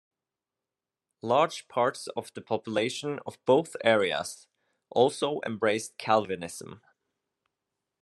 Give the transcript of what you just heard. Large parts of the population of both areas also embraced Calvinism.